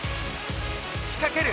仕掛ける。